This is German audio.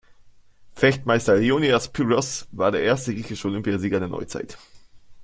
Fechtmeister Leonidas Pyrgos war der erste griechische Olympiasieger der Neuzeit.